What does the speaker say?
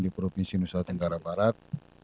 di provinsi nusa tenggara barat